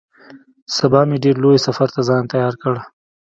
سبا مې ډېر لوی سفر ته ځان تيار کړ.